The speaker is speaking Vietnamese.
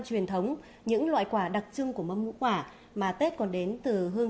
và vào những ngày này thì không khí tết đang đến rất gần